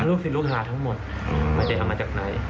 ลูกศิษย์ลูกหาทั้งหมดไม่ได้เอามาจากไหน